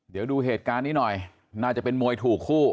เดี๋ยวดูเหตุการณ์นี้หน่อยน่าจะเป็นมวยถูกคู่